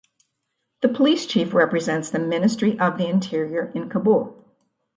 The police chief represents the Ministry of the Interior in Kabul.